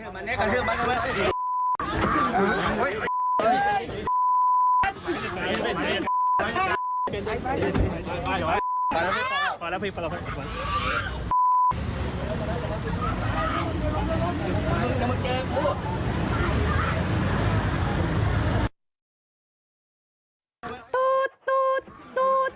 มึงเจอกู